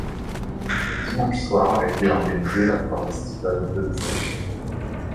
Le dimanche soir a été organisée la Foreztival Dub Session.